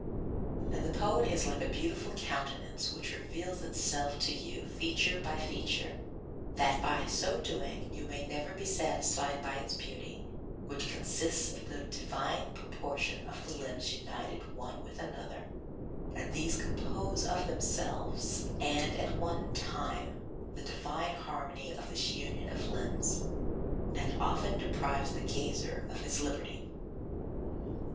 And the poet is like a beautiful countenance which reveals itself to you feature by feature, that by so doing you may never be satisfied by its beauty, which consists of the divine proportion of the limbs united one with another, and these compose of themselves and at one time the divine harmony of this union of limbs, and often deprives the gazer of his liberty.